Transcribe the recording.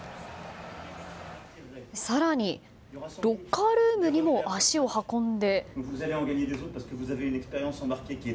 更に、ロッカールームにも足を運んで。